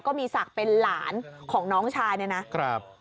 ก็มีศักดิ์เป็นหลานของน้องชายเนี่ยนะครับ